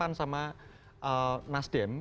dikembalikan sama nasdem